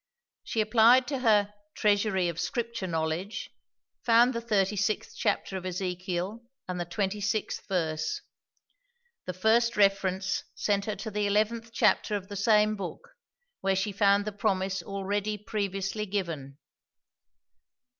She applied to her "Treasury of Scripture Knowledge"; found the thirty sixth chapter of Ezekiel, and the twenty sixth verse. The first reference sent her to the eleventh chapter of the same book, where she found the promise already previously given.